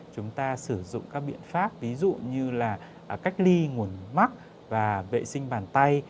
chúng ta sử dụng các biện pháp ví dụ như là cách ly nguồn mắc và vệ sinh bàn tay